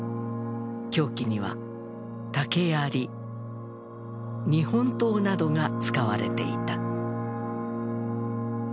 凶器には竹槍、日本刀などが使われていた。